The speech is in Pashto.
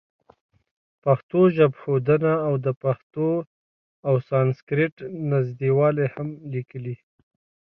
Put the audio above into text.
پښتو ژبښودنه او د پښتو او سانسکریټ نزدېوالی هم لیکلي.